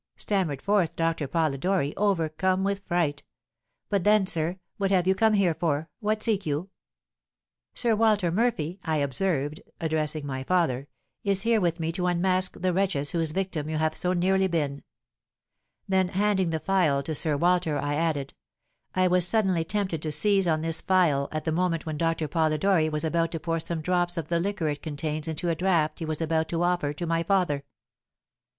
stammered forth Doctor Polidori, overcome with fright. 'But then, sir, what have you come here for? What seek you?' "'Sir Walter Murphy,' I observed, addressing my father, 'is here with me to unmask the wretches whose victim you have so nearly been.' Then handing the phial to Sir Walter, I added, 'I was suddenly tempted to seize on this phial at the moment when Doctor Polidori was about to pour some drops of the liquor it contains into a draught he was about to offer to my father.'